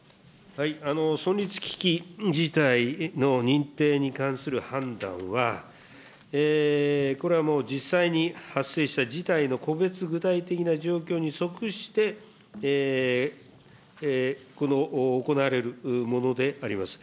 存立危機事態の認定に関する判断は、これは実際に発生した事態の個別具体的な状況に即して、行われるものであります。